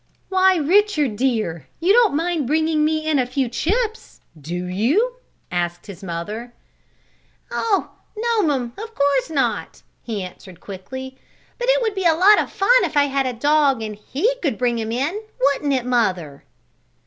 "Why, Richard, dear! You don't mind bringing me in a few chips; do you?" asked his mother. "Oh, no'm, course not!" he answered quickly. "But it would be a lot of fun if I had a dog and he could bring 'em in; wouldn't it, mother?"